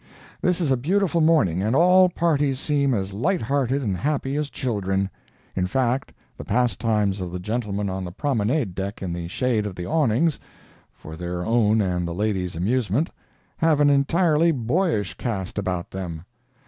This is a beautiful morning and all parties seem as light hearted and happy as children. In fact the pastimes of the gentlemen on the promenade deck in the shade of the awnings, for their own and the ladies' amusement, have an entirely boyish cast about them.